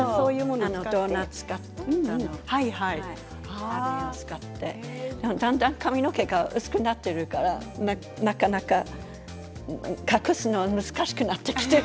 ドーナツ型のあれを使ってだんだん髪の毛が薄くなっているからなかなか隠すのが難しくなってきている。